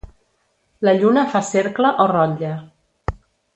La lluna fa cercle o rotlle.